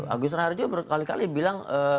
agus raharjo berkali kali bilang